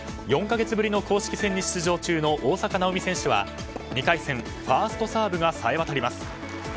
４か月ぶりの公式戦に出場中の大坂なおみ選手は２回戦ファーストサーブが冴えわたります。